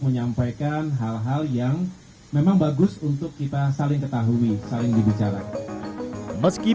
menyampaikan hal hal yang memang bagus untuk kita saling ketahui saling dibicara meski